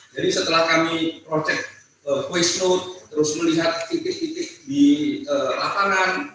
jadi setelah kami projek voice note terus melihat titik titik di lapangan